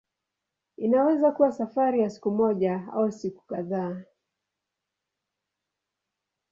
Inaweza kuwa safari ya siku moja au siku kadhaa.